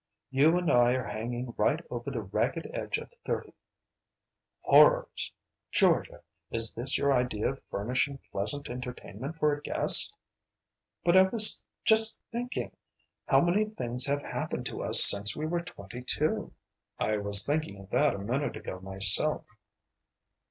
"You and I are hanging right over the ragged edge of thirty." "Horrors! Georgia; is this your idea of furnishing pleasant entertainment for a guest?" "But I was just thinking how many things have happened to us since we were twenty two." "I was thinking of that a minute ago myself."